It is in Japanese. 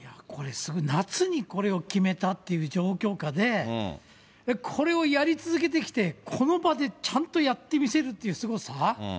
これ、夏にこれを決めたっていう状況下で、これをやり続けてきて、この場でちゃんとやって見せるっていうすごさ。